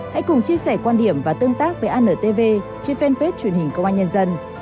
hãy cùng chia sẻ quan điểm và tương tác với antv trên fanpage truyền hình công an nhân dân